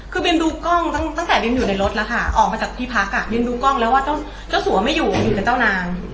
คือบินดูกล้องตั้งแต่บินอยู่ในรถแล้วค่ะออกมาจากที่พักอ่ะบินดูกล้องแล้วว่าเจ้าสัวไม่อยู่อยู่กับเจ้านาง